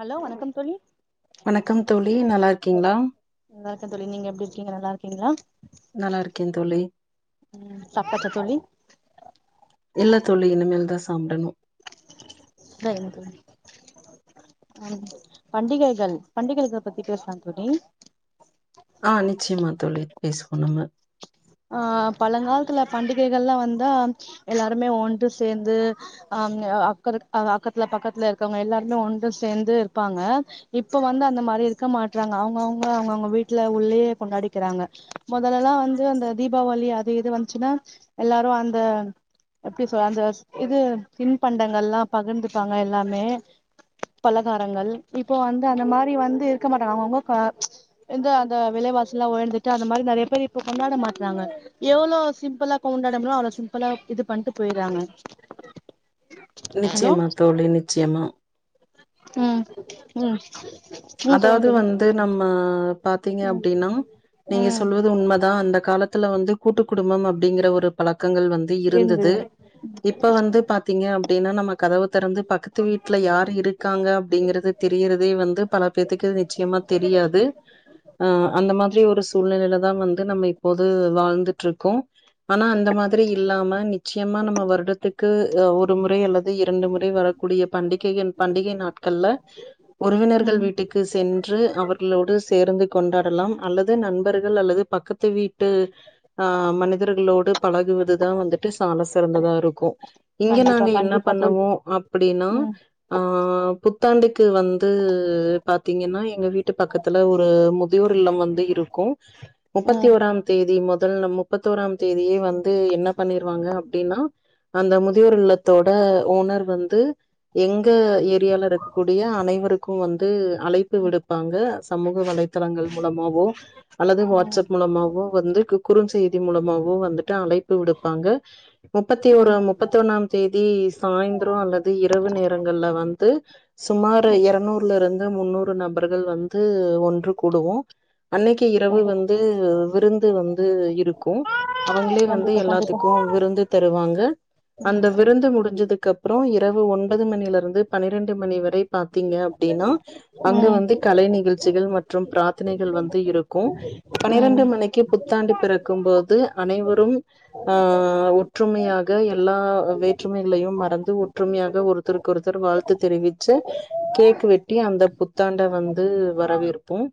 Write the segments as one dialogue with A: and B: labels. A: hello வணக்கம் தோழி
B: வணக்கம் தோழி நல்லாருக்கீங்ளா
A: நல்லாருக்க தோழி நீங்க எப்டி இருக்கீங்க நல்லா இருக்கீங்ளா
B: நல்லா இருக்கே தோழி
A: ம் சாப்டாச்சா தோழி
B: இல்ல தோழி இனிமேல் தா சாப்டணு
A: சரிங்க தோழி வணக்கம் தோழி பண்டிகைகள் பண்டிகைகள் பத்தி பேசலா தோழி
B: ஆ நிச்சயமா தோழி பேசுவோ நம்ம
A: ஆ பழங்காலத்துல பண்டிகைகள்லா வந்தா எல்லாருமே ஒன்று சேந்து அம் அக்க அக்கத்துல பக்கத்துல இருக்கவங்க எல்லாருமே ஒண்று சேந்து இருப்பாங்க இப்ப வந்து அந்த மாரி இருக்க மாட்றாங்க அவங்கவுங்க அவங்கவுங்க வீட்ல உள்ளயே கொண்டாடிக்கிறாங்க மொதலெல்லா வந்து அந்த தீபாவளி அது இது வந்ச்சுனா எல்லாரு அந்த எப்டி சொல்ல அந்த இது தின் பண்டங்கள்லா பகிர்ந்துப்பாங்க எல்லாமே பலகாரங்கள் இப்போ வந்து அந்த மாரி வந்து இருக்க மாட்டாங்க அவங்கவுங்க ப்ச் இந்தந்த விலைவாசில்லா உயர்ந்துட்டு அந்த மாரி நெறய பேர் இப்ப கொண்டாட மாட் றாங்க எவ்ளோ சிம்ப்பிளா கொண்டாட ங்களோ அவ்ளோ சிம்பிளா இது பண்ணிட்டு போயிற்றாங்க
B: நிச்சயமா தோழி நிச்சயமா
A: ம் ம் ம் சொல்லுங்க
B: அதாவது
A: தோழி
B: வந்து நம்ம பாத்தீங்க அப்டின்னா நீங்க
A: ம்
B: சொல்வது உண்மதா அந்த காலத் த்துல வந்து கூட்டு குடும்பம் அப்டிங்குற ஒரு பழக்கங்கள் வந்து
A: இருந்து
B: இருந்தது இப்ப வந்து பாத்தீங்க அப்டின்னா நம்ம கதவ திறந்து பக்கத்து வீட்ல யார் இருக்காங்க அப்டிங்றது தெரியிறதே வந்து இப்பதேக்கு நிச்சயமா தெரியாது அந்த மாதிரி ஒரு சூழ்நெலயில தா வந்து நம்ம இப்போது வாழ்ந்ட்டு இருக்கோம் ஆனா அந்த மாதிரி இல்லாம நிச்சயமா நம்ம வருடத்துக்கு ஒரு முறை அல்லது இரண்டு முறை வர கூடிய பண்டிகைகள் பண்டிகை நாட்கள்ல உறவினர்கள்
A: ம்
B: வீட்டுக் கு சென்று அவர்களோடு சேர்ந்து கொண்டாடலாம் அல்லது நண்பர்கள் அல்லது பக்கத்து வீட்டு ஆ மனிதர்களோடு பழகுவதுதா வந்துட்டு சால சிறந்ததா இருக் கு இங்க
A: கண்டிப்பா
B: நாங்க என்ன
A: கண்டிப்பா தோழி
B: பண்ணுவோம் அப்படின்னா
A: ம்
B: ஆ புத்தாண்டுக்கு வந்து பாத்தீங்கனா எங்க வீட்டு பக்கத்துல ஒரு முதியோர் இல்லம் வந்து இருக்கு முப்பத்தி
A: ம்
B: ஓராம் தேதி முதல் முப்பத்திஒராம் தேதியே வந்து என்ன பண்ணிருவாங்க அப்டின்னா அந்த முதியோர் இல்லத்தோட ஓனர் வந்து எங்க ஏரியால இருக்கக்கூடி ம் அனைவருக்கு வந்து அழைப்பு விடுப்பாங்க சமூக வலைதளங்கள் மூலமாவோ அல்லது வாட்ஸ்அப் மூலமாவோ வந்து கு குறுஞ்செய்தி மூலமாவோ வந்துட்டு அழைப்பு விடுப்பாங்க முப்பத்தி ஒரு
A: ம்
B: முப்பத்தி ஒன்னாம் தேதி சாய்ந்திரோ அல்லது இரவு நேரங்கள்ல வந்து சுமார் இருநூறு முந்நூறு நபர்கள் வந்து ஒன்று கூடுவோ அன்னைக்கு இரவு வந்து விருந்து வந்து இருக்கு அவங்களே வந்து
A: கண்டிப்பா கண்டிப்பா
B: எல்லாத்துக்கு விருந்து தருவாங்க அந்த
A: ம்
B: விருந்து முடிஞ்சதுக்கு அப்புறோ இரவு ஒன்பது மணியிலிருந்து பன்னிரெண்டு மணி வரை பாத்தீங்க அப்டின்னா அங்க
A: ம்
B: வந்து கலை நிகழ்ச்சிகள் மற்றும் பிரார்த்தனைகள் வந்து இருக்கு பன்னிரண்டு
A: ம்
B: மணிக்கு புத்தாண்டு பிறக்கும்போது அனைவரும் ஆ ஒற்றுமையாக எல்லா வேற்றுமைகளையும் மறந்து ஒற்றுமையாக ஒருத் த்தருக்கு ஒருத்தர் வாழ்த்து தெரிவிச்சு கேக் வெட்டி அந்த புத்தாண்ட வந்து வரவேற் போம்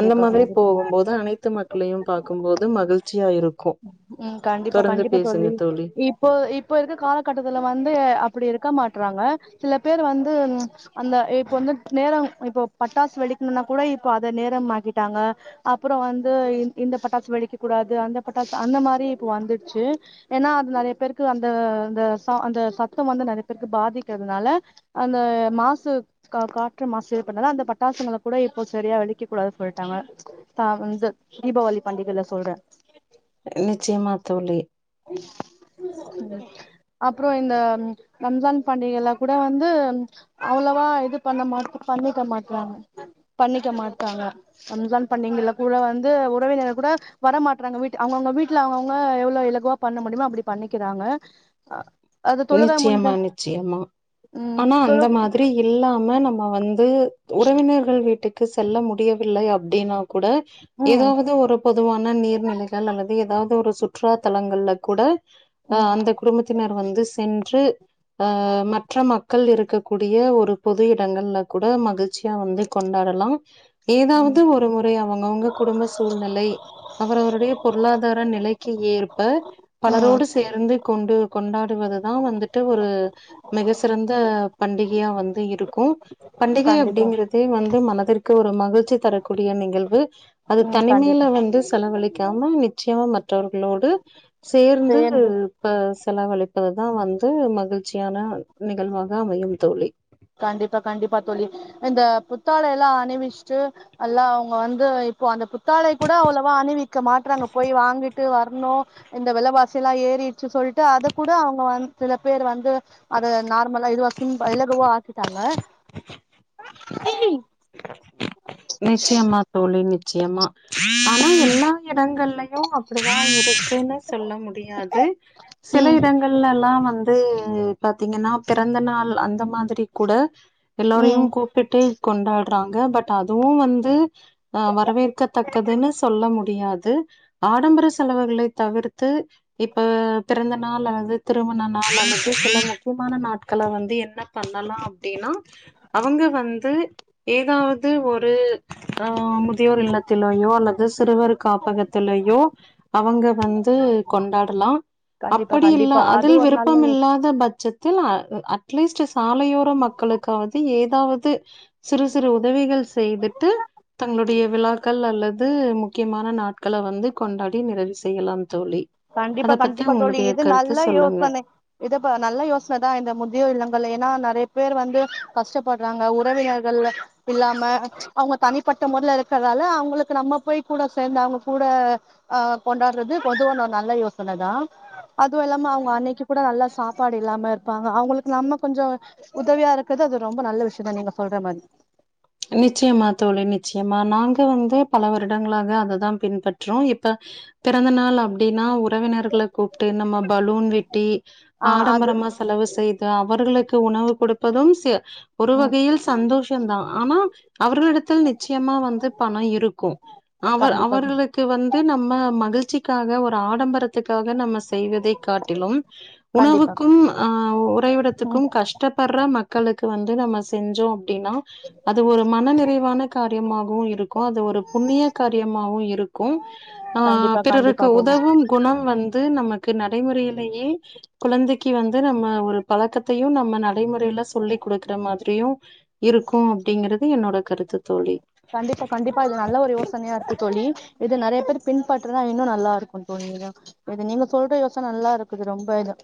B: அந்த மாதிரி
A: கண்டிப்பா
B: போகும்போது அனைத்து மக்களையும் பார்க்கும்போது மகிழ்ச்சியா இருக்கும்
A: ம் கண்டிப்பா
B: தொடர்ந்து
A: கண்டிப்பா
B: பேசுங்க
A: தோழி இப்ப இப்போ இருக்க காலகட்டத்துல வந்து அப்டி இருக்க மாட்டறாங்க சில பேர் வந்து அந்த இப்ப வந்து நேரம் இப்போ பட்டாசு வெடிக்கணுனா கூட இப்போ அத நேரம் ஆக்கிட்டாங்க அப்புற வந்து இந்த பட்டாசு வெடிக்க கூடாது அந்த பட்டாசு அந்த மாரி இப்ப வந்துடுச்சு ஏன்னா அது நெறைய பேருக்கு அந்த அந்த ச அந்த சத்தம் வந்து நெறைய பேருக்கு பாதிக்கிறதுனால அந்த மாசு கா காற்று மாசு பட்னால அந்த பட்டாசுங்கள கூட இப்போ சரியா வெடிக்கக் கூடாது சொல்ட்டாங்க தா ரம்ச தீபாவளி பண்டிகைல சொல்றே
B: நிச்சியமா தோழி
A: அப் றோ இந்த ரம்ஜான் பண்டிகைல கூட வந்து அவ்ளவா இது பண்ண மாட் பண்ணிக்க மாட்றாங்க பண்ணிக்க மாட்டாங்க ரம்ஜான் பண்டிங்கல்ல கூட வந்து உறவினர் கூட வரமாட்றாங்க வீட்டு அவுங்கவுங்க வீட்ல அவுங்கவுங்க எவ்ளோ இலகுவா பண்ண முடியுமா அப்பிடி பண்ணிக்கிறாங்க அ
B: நிச்சயமா நிச்சயமா
A: ம்
B: ஆனா
A: தொழு
B: அந்த மாதிரி இல்லாம நம்ம வந்து உறவினர் கள் வீட்டுக்கு செல்ல முடியவில்லை அப்டினா கூட
A: ம்
B: எதாவது ஒரு பொதுவான நீர்நிலைகள் அல்லது எதாவ்து ஒரு சுற்றுலா தலங்கள்ல கூட அ
A: ம்
B: அந்த குடும்பத்தினர் வந்து சென்று அ மற்ற மக் கள் இருக்கக்கூடிய ஒரு பொது இடங்கள்ல கூட மகிழ்ச்சியா வந்து கொண்டாடலா ஏதாவது ஒரு முறை அவங்கவங்க குடும்ப சூழ்நிலை அவரவருடைய பொருளாதார நிலைக்கு ஏற்ப
A: ம்
B: பலரோடு சேர்ந்து கொண்டு கொண்டாடுவது தா வந்துட்டு ஒரு மிக சிறந்த பண்டிகையா வந்து இருக்கு பண்டிகை
A: கண்டிப்பா
B: அப்டிங்கறதே வந்து மனதிற்கு ஒரு மகிழ்ச்சி தரக்கூடிய நிகழ்வு அது
A: ம்
B: தனிமைல
A: கண்டிப்பா
B: வந்து செலவழிக்காம நிச்சயமா மற்றவர்களோடு சேர்ந்து ப செலவழிப்பது தா வந்து மகிழ்ச்சியான நிகழ்வாக அமையும் தோழி
A: கண்டிப்பா கண்டிப்பா தோழி இந்த புத்தாடை எல்லா அணிவிஸ்ட்டு அல்லா அவுங்க வந்து இப்போ அந்த புத் தாடை கூட அவ்வளவா அணிவிக்க மாட்றாங்க போய் வாங்கி ட்டு வர்ணு இந்த விலவாசி எல்லா ஏறிர்ச்சு சொல்ட்டு அத கூட அவுங்க வந் சில பேர் வந்து அத நார்மலா இதுவா சிம்ப் இலகுவா ஆக்கிட்டாங்க
B: நிச்சயமா தோழி நிச்சயமா ஆனா
A: ம்
B: எல்லா எடங்கள்லயு அப்பிடிதா இருக் குன்னு சொல்ல முடியாது சில
A: ம்
B: இடங்கள்லெல்லா வந்து பாத்தீங்க ன்னா பிறந்த நாள் அந்த மாதிரி கூட
A: ம்
B: எல்லோரையும் கூ ப்பிட்டு கொண்டாட்றாங்க பட் அதுவு வந்து அ வரவேற்கத்தக்கதுனு சொல்ல முடியாது ஆடம்பர செலவுகளை தவிர்த்து இப்ப பிறந்த நாள் அது திருமண நாள் அல்லது சில முக்கியமான நாட்கள வந்து என்ன பண்ணலா அப்டின்னா அவங்க வந்து ஏதாவது ஒரு ஆ முதியோர் இல்லத்துலயோ அல்லது சிறுவர் காப்பகத்துலயோ அவங்க வந்து கொண்டாடலா
A: கண்டிப்பா
B: அப்படி இல்ல
A: கண்டிப்பா அது
B: அதில்
A: ஒரு
B: விருப்பம்
A: நல்ல
B: இல்லாத பட்ச த்தில் அ அட்லீஸ்ட்டு சாலையோர மக்களுக்காவது ஏதாவது சிறு சிறு உதவிகள் செய்துட்டு தங்களுடைய விழாக்கள் அல்லது முக்கியமான நாட்கள வந்து கொண்டாடி நிறைவு செய்யலாம் தோழி அத
A: கண்டிப்பா
B: பத்தி
A: கண்டிப்பா தோழி
B: உங்களுடைய
A: இது
B: கருத்து
A: நல்ல
B: சொல்லுங்க
A: யோசனை இதப்ப நல்ல யோஸ்ன தா இந்த முதியோர் இல்லங்கள் ஏனா நெறைய பேர் வந்து கஷ்டப்பட்றாங்க உறவினர்கள் அ இல்லாம அவுங்க தனிப்பட்ட மொறல இருக்கற்தால அவுங்களுக்கு நம்ம போய் கூட சேந்து அவுங்க கூட அ கொண்டாட்றது பொதுவான நல்ல யோசன தா அதுவு இல்லாம அவுங்க அன்னைக்கி கூட நல்ல சாப்பாடு இல்லாம இர்ப்பாங்க அவுங்களுக்கு நம்ம கொஞ்சோ உதவியா இருக்கறது அது ரொம்ப நல்ல விஷ்யோந்தா நீங்க சொல்ற மாதி
B: நிச்சயமா தோழி நிச்சயமா நாங்க வந்து பல வருடங்களாக அததான் பின்பற்றுறோம் இப்ப பிறந்த நாள் அப்டின்னா உறவினர்கள கூப்ட்டு நம்ம பலூன் வெட்டி
A: ஆ அது
B: ஆடம்பரமா செலவு செய்து அவர்களுக்கு உணவு குடுப்பதும் ஒரு வகையில் சந்தோஷந்தா ஆனா, அவர்களிடத்தில் நிச்சயமா வந்து பணம் இருக்கும் அவர்
A: கண்டிப்பா
B: அவர்கள் க்கு வந்து நம்ம மகிழ்ச்சிக்காக ஒரு ஆடம்பரத்துக்காக நம்ம செய்வதை காட்டிலும்
A: கண்டிப்பா
B: உணவுக்கும்
A: ம்
B: உறைவிடத்துக்கும் கஷ் டப்படுற மக்களுக்கு வந்து நம்ம செஞ்சோ அப்டின்னா அது ஒரு மன நிறைவான காரியமாகவும் இருக்கும் அது ஒரு புண்ணிய காரியமாவு இருக்கும் ஆ
A: கண்டிப்பா
B: பிறருக்கு
A: கண்டிப்பா தோழி
B: உதவும் குணம் வந்து நமக்கு நடைமுறையிலேயே குழந்தைக்கு வந்து நம்ம ஒரு பழக்கத்தையு நம்ம நடைமுறைல சொல்லி் குடுக்குற மாதிரியும் இருக்கும் அப்படிங்கறிறது என்னோட கருத்து தோழி
A: கண்டிப்பா கண்டிப்பா இது ஓரு நல்ல ஒரு யோசனையா இருக்கு தோழி இது நெறைய பேர் பின்பற்றுதா இன்னு நல்லா ருக்கும் தோழி இதாக்கா இது நீங்க சொல்ற யோசன நல்லா இருக்குது ரொம்ப இது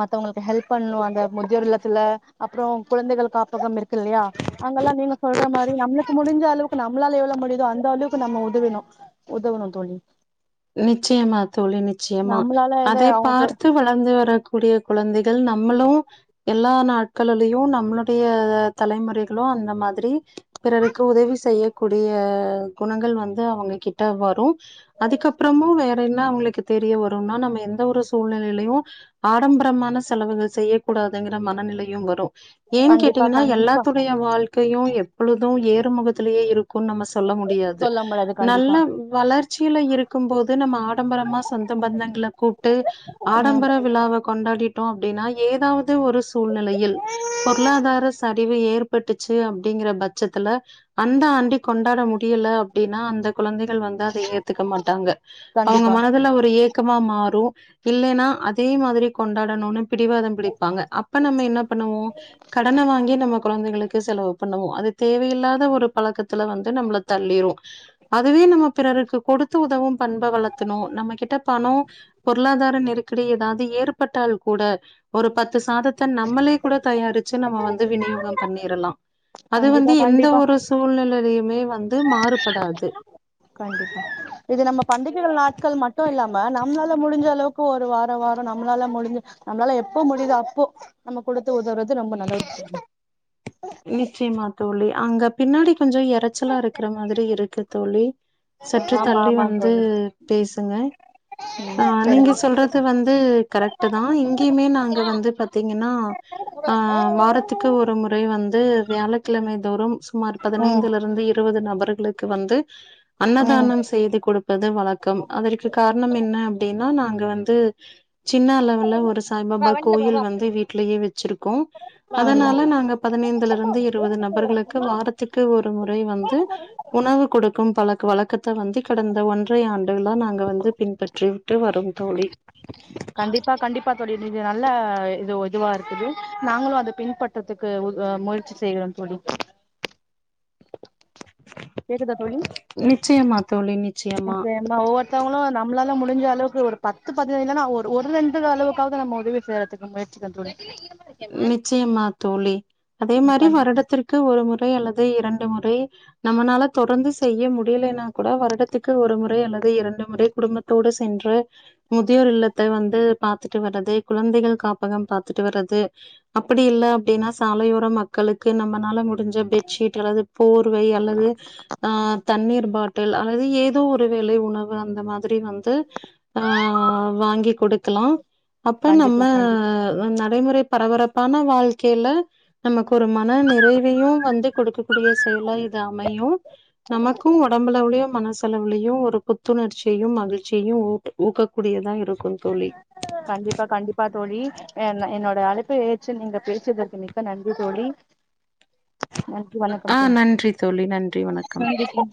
A: மத்தவங்களுக்கு ஹெல்ப் பண்ணணு அந்த முதியோர் இல்லத்துல அப்றோ குழந்தைகள் காப்பகம் இருக்கு இல்லையா அங்கெல்லா நீங்க சொல்ற மாரி நம்ளுக்கு முடிஞ்ச அளவுக்கு நம்மளால எவ்ளோ முடியுதோ அந்த அளவுக்கு நம்ம உதவிணு உதவ்ணு தோழி
B: நிச்சயமா தோழி நிச்சயமா
A: நம்மளால எத
B: அதை
A: அவங்களுக்கு
B: பார்த்து வள் வளந்து வரக்கூடிய குழந்தைகள் நம்மளும் எல்லா நாட்களலயு நம்மளுடைய தலைமுறைகளும் அந்த மாதிரி பிறருக்கு உதவி செய்யக்கூடிய குணங்கள் வந்து அவங்க கிட்ட வரும் அதுக்கப் அப்றமு வேற என்ன அவங்களுக்கு தெரிய வரும்னா நம்ம எந்த ஒரு சூழ்நிலயிலையு ஆடம்பரமான செலவுகள் செய்ய கூடாதுங்கிற மனநிலையு வரு ஏங்
A: கண்டிப்பா
B: கேட்டீங்கன்னா
A: கண்டிப்பா
B: எல்லாத்துடைய வாழ்க்கையும் எப்பொழுதும் ஏறுமுகத்திலேயே இருக் க்கும் நம்ம சொல்ல முடியாது
A: சொல்ல முடியாது கண்டிப்பா
B: நல்ல வளர்ச்சியில இருக்கு க்கும் போது நம்ம ஆடம்பரமா சொந்த பந்தங்கள கூப்புட்டு
A: ம்
B: ஆடம்பரம் விழாவ கொண்டாடிட்டோ அப்டின்னா ஏதாவ்து த்து ஒரு சூழ்நிலையில் பொருளாதார சரிவு ஏற் பட்டுச்சு அப்டிங்கிற பச்சத்துல அந்த ஆண்டே கொண்டாட முடியல அப்படின்னா அந்த குழந்தைகள் வந்தா அத ஏத்துக்க மாட்டாங்க அவங்க
A: கண்டிப்பா
B: மனதுல ஒரு ஏக் கமா மாறும் இல்லைன்னா அதே மாதிரி கொண்டாடணுனு பிடிவாதம் பிடிப்பாங்க அப்ப நம்ம என்ன பண்ணுவோ கடன வாங்கி நம்ம குழந்தைகளுக்கு செலவு பண்ணுவோ அது தேவையில்லாத ஒரு பழக்கத்துல வந்து நம்மள தள்ளிரும் அதுவே நம்ம பிறருக்கு கொடுத்து உதவும் பண்ப வளத்தணு நம்ம கிட்ட பணோ பொருளாதார நெருக்கடி ஏதாவ்து ஏற்பட்டால் கூட ஒரு பத்து சாதத்த நம்மளே கூட தயாரிச்சு நம்ம வந்து விநியோகம் பண்ணிறலா அது
A: கண்டிப்பா
B: வந்து எந்த
A: கண்டிப்பா
B: ஒரு சூழ்நிலையிலயுமே வந்து மாறுபடாது
A: கண்டிப்பா இது நம்ம பண்டிகைகள் நாட்கள் மட்டும் இல்லாம நம்மளால முடிஞ்ச அளவுக்கு க்கு ஒரு வார வாரோ நம்மளால முடிஞ்சு நம்மளால எப்போ முடியுதோ அப்போ நம்ம குடுத்து உதவ்றது ரொம்ப நல்ல ஒரு விஷயம்
B: நிச்சயமா தோழி அங்க பின்னாடி கொஞ்சோ எ ச்சலா இருக்கிற மாதிரி இருக்கு தோழி சற்று
A: ஆமா
B: தள்ளி
A: ஆமா
B: வந்து
A: தோழி
B: பேசுங்க
A: ம்
B: ஆ நீங்க
A: சரிங்க
B: சொல்றது வந்து கரெக்ட் தான் இங்கயுமே நாங்க வந்து பாத்தீங்கன்னா ஆ வாரத்துக்கு ஒரு முறை வந்து வியாழக்கிழமை தோறும் சுமார்
A: ம்
B: பதினைந்துலருந்து இரு எழுவது நபர்களுக்கு வந்து
A: ம்
B: அன்னதானம் செய்து கொடுப்பது வழக்கம் அதற்கு காரணம் என்ன என்ன அப்டினா நாங்க வந்து சின்ன அளவுல ஒரு சாய்பாபா கோயில் வந்து வீட்லயே வெச்சிருக்கோ
A: ம்
B: அதனால நாங்க பதினைந்துல இருந்து இருவது நபர்களுக்கு வாரத்துக்கு ஒரு முறை வந்து உணவு கொடுக்கும் பழக்க வழக்கத் த வந்து கடந்த ஒன்றை ஆண்டுகளா நாங்க வந்து பின்பற்றிவிட்டு வரோ தோழி
A: கண்டிப்பா கண்டிப்பா தோழி இது நல்ல இது இதுவா இருக்குது நாங்களும் அதை பின்பற்றறதுக்கு முயற்சி செய்கறோம் தோழி
B: [inaudible]
A: கேக்குதா தோழி
B: நிச்சியம்மா தோழி நி
A: எனக்கு நம்ம ஒவ்வொருத்தவ்ங்களு நம்மளால முடிஞ்ச அளவுக்கு ஒரு பத்து பதினை இல்லனா ஒரு ஒரு ரெண்டு அளவுக்காவ்து நம்ம உதவி செய்றதுக்கு முயற்ச்சிக்கற தோழி
B: நிச்சியமா தோழி அதே
A: ம்
B: மாரி
A: கண்
B: வருடத்திற்கு ஒரு முறை அல்லது இரெண்டு முறை நம்மனால தொடர்ந்து செய்ய முடியலேனாக்கூட வருடத்துக்கு ஒரு முறை அல்லது இரெண்டு முறை குடும்பத்தோடு செ சென்று முதியோர் இல்லத்த வந்து பாத்துட்டு வர்றது குழந்தைகள் காப்பகம் பாத்துட்டு வர்றது அப்டி இல்ல அப்டின்னா சாலையோர மக்களுக்கு நம்மனால மு டிஞ்சா பெட்சீட் அல்லது போர்வை அல்லது ஆ தண்ணீர் பாட் டில் அல்லது ஏதோ ஒரு வேலை உணவு அந்த மாதிரி வந் து ஆ வாங்கி கொடுக்கலா அப்ப
A: கண்டிப்பா
B: நம்ம
A: கண்டிப்
B: நடைமுறை பரபரப்பான வாழ்க்கைல நமக்கு ஒரு மன நிறைவையு வந்து கொடுக்கக்கூடிய செயலா இது அமையு நமக்கு ஒடம்பு அளவுலயு மனசலவுலயு ஒரு புத்துணர்ச்சியு மகிழ்ச்சியு ஊட்டு ஊக்கக்கூடியதா இருக்கு தோழி
A: கண்டிப்பா கண்டிப்பா தோழி என் என்னோட அழைப்பு எற்று நீங்க பேசியதற்கு மிக்க நன்றி தோழி வணக்
B: ஆ நன்றி தோழி நன்றி வணக்கம்
A: நன்றி தோழி